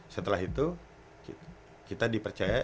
setelah itu kita dipercaya